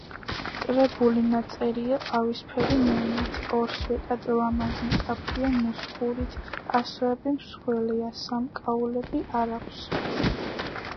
კრებული ნაწერია ყავისფერი მელნით, ორ სვეტად, ლამაზი, მკაფიო ნუსხურით, ასოები მსხვილია, სამკაულები არ აქვს.